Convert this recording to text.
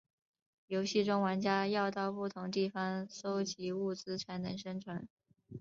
游戏中玩家要到不同地方搜集物资才能生存。